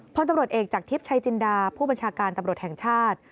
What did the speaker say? พลตำรวจเอกจากทิพย์ชัยจินดาผู้บัญชาการตำรวจแห่งชาติ